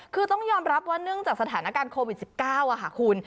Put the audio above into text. คือต้องยอมรับว่าเนื่องจากสถานการณ์โควิด๑๙ค่ะคุณ